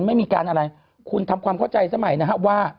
ไม่มีการอะไรคุณทำความเข้าใจสมัยนะครับว่า